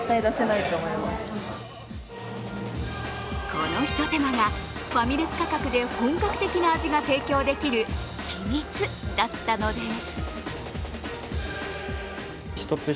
このひと手間がファミレス価格で本格的な味が提供できる秘密だったのです。